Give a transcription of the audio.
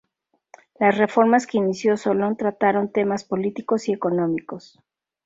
Las reformas que inició Solón trataron temas políticos y económicos.